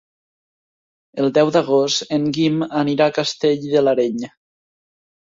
El deu d'agost en Guim anirà a Castell de l'Areny.